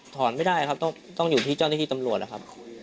ไม่ได้ครับต้องอยู่ที่เจ้าหน้าที่ตำรวจนะครับ